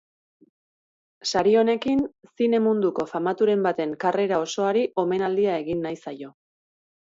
Sari honekin zine munduko famaturen baten karrera osoari omenaldia egin nahi zaio.